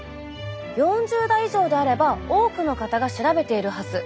４０代以上であれば多くの方が調べているはず。